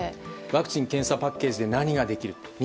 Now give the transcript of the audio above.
ワクチン・検査パッケージで何ができるか。